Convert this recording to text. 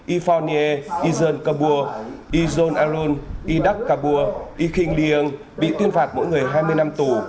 isonia ison kabur ison arun idak kabur ikin lieng bị tuyên phạt mỗi người hai mươi năm tù